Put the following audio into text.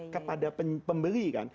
kepada pembeli kan